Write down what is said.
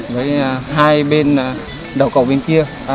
với hai bên đầu cổ bên kia